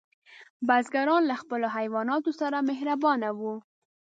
بزګران له خپلو حیواناتو سره مهربانه وو.